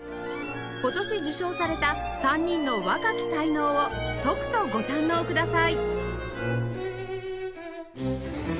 今年受賞された３人の若き才能をとくとご堪能ください